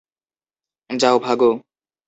যাও, ভাগো।